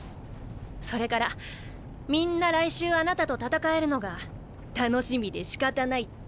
それからみんな来週あなたと戦えるのが楽しみでしかたないって。